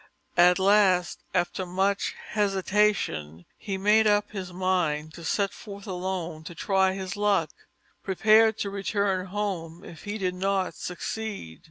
At last, after much hesitation, he made up his mind to set forth alone to try his luck, prepared to return home if he did not succeed.